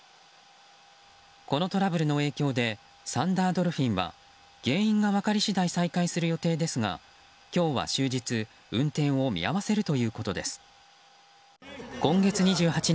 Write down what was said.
このトラブルの影響でサンダードルフィンは原因が分かり次第再開する予定ですが今日は終日運転を見合わせるということです。